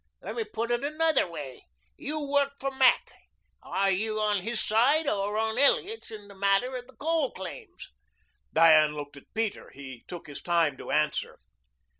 Let me put it another way. You work for Mac. Are you on his side or on Elliot's in this matter of the coal claims?" Diane looked at Peter. He took his time to answer.